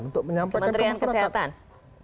untuk menyampaikan ke masyarakat